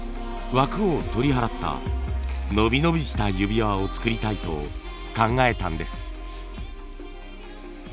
枠を取り払ったのびのびした指輪を作りたいと考えたんです。